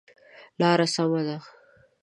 لاره سمه ده؟